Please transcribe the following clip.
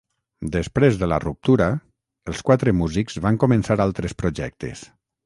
Després de la ruptura, els quatre músics van començar altres projectes.